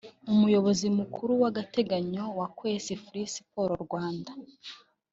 Umuyobozi mukuru w’agateganyo wa Kwese Free Sports Rwanda